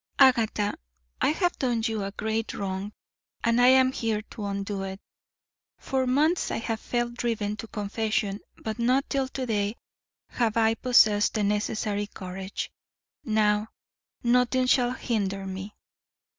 "Agatha, I have done you a great wrong and I am here to undo it. For months I have felt driven to confession, but not till to day have I possessed the necessary courage. NOW, nothing shall hinder me."